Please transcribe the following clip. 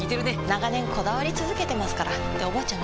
長年こだわり続けてますからっておばあちゃん